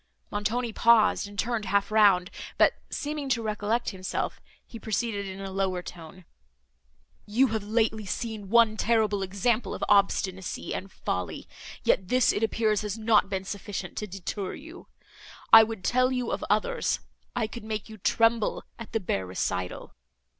Montoni paused, and turned half round, but, seeming to recollect himself, he proceeded in a lower tone. "You have lately seen one terrible example of obstinacy and folly; yet this, it appears, has not been sufficient to deter you.—I could tell you of others—I could make you tremble at the bare recital."